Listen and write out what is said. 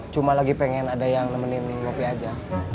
cuma lagi pengen ada yang nemenin ngopi aja